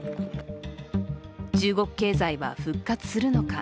中国経済は復活するのか。